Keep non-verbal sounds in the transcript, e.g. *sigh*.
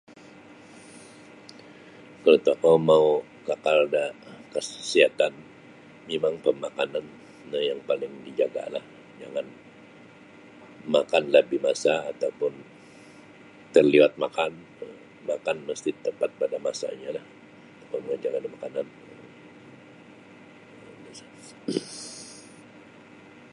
Kalau tokou mau kakal da kasiatan mimang pamakanan lah yang paling dijagalah jangan makan labih masa ataupun taliwat makan makan mesti tepat pada masanya lah. *unintelligible*